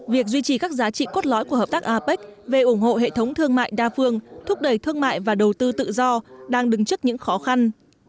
việc duy trì các giá trị cốt lõi của hợp tác apec về ủng hộ hệ thống thương mại đa phương thúc đẩy thương mại và đầu tư tự do đang đứng trước những khó khăn